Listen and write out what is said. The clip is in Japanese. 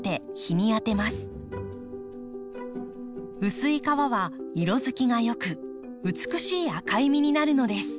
薄い皮は色づきが良く美しい赤い実になるのです。